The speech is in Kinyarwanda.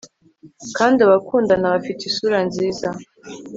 kandi abakundana bafite isura nziza